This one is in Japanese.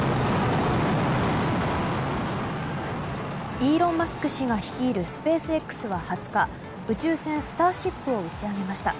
イーロン・マスク氏が率いるスペースＸは５日宇宙船「スターシップ」を打ち上げました。